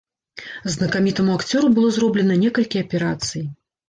Знакамітаму акцёру было зроблена некалькі аперацый.